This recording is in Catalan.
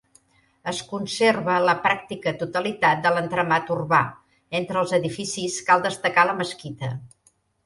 Es conserva la pràctica totalitat de l'entramat urbà, entre els edificis cal destacar la mesquita.